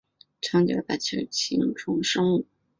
长角大锹形虫生物。